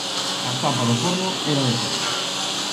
A tapa do forno era de ferro.